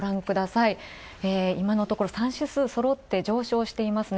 いまのところ３指数そろって上昇していますね。